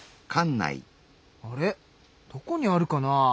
あれどこにあるかな？